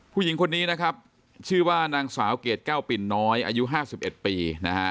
ผู้หญิงคนนี้นะครับชื่อว่านางสาวเกรดแก้วปิ่นน้อยอายุ๕๑ปีนะฮะ